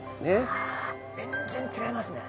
ああ全然違いますね。